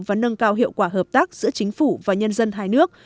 và nâng cao hiệu quả hợp tác giữa chính phủ và nhân dân hai nước